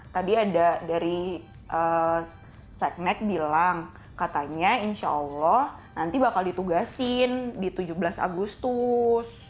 tadi ada dari seknek bilang katanya insya allah nanti bakal ditugasin di tujuh belas agustus